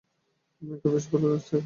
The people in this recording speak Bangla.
আমি একা বেশ ভালোই থাকবো।